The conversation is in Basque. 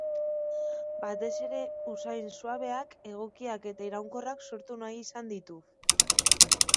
Batez ere, usain suabeak, egokiak eta iraunkorrak sortu nahi izan ditu.